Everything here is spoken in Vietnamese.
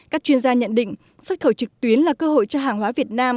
các chuyên gia nhận định xuất khẩu trực tuyến là cơ hội cho hàng hóa việt nam